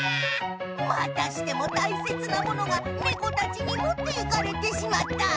またしても大切なものがネコたちにもっていかれてしまった！